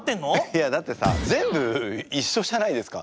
いやだってさ全部一緒じゃないですか。